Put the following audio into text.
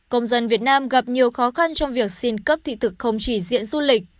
công dân việt nam gặp nhiều khó khăn trong việc xin cấp thị thực không chỉ diện du lịch